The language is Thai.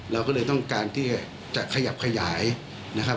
เราก็เลยต้องการที่จะขยับขยายนะครับ